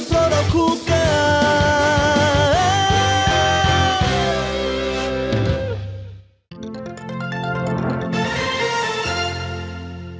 เพราะเราคู่กัน